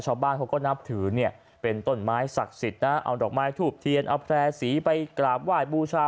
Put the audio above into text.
ชาวบ้านเขาก็นับถือเนี่ยเป็นต้นไม้ศักดิ์สิทธิ์นะเอาดอกไม้ทูบเทียนเอาแพร่สีไปกราบไหว้บูชา